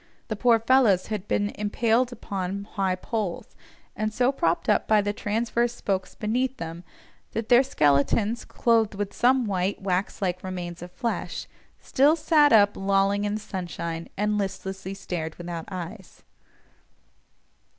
The poor fellows had been impaled upon high poles, and so propped up by the transverse spokes beneath them, that their skeletons, clothed with some white, wax like remains of flesh, still sat up lolling in the sunshine, and listlessly stared without eyes.